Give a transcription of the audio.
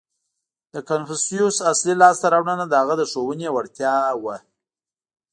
• د کنفوسیوس اصلي لاسته راوړنه د هغه د ښوونې وړتیا وه.